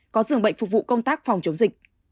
có dường bệnh phục vụ công tác phòng chống dịch